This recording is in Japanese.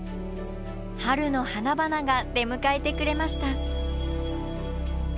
春の花々が出迎えてくれました。